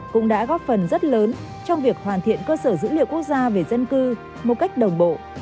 cũng đã góp phần rất lớn trong việc hoàn thiện cơ sở dữ liệu quốc gia về dân cư một cách đồng bộ